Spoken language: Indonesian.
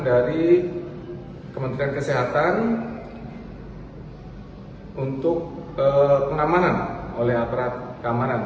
dari kementerian kesehatan untuk pengamanan oleh aparat keamanan